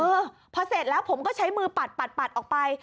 เออพอเสร็จแล้วผมก็ใช้มือปัดปัดออกไป